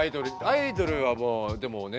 アイドルはもうでもねえ